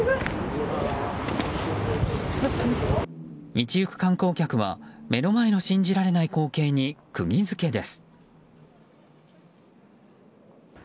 道行く観光客は目の前の信じられない光景に釘付けです。